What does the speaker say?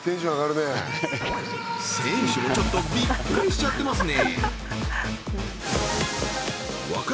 選手もちょっとビックリしちゃってますね